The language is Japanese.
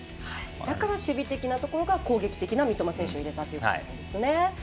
だから守備的なところに攻撃的な三笘選手を入れたという。